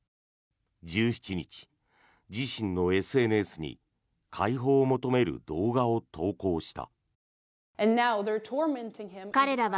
１７日、自身のＳＮＳに解放を求める動画を投稿した。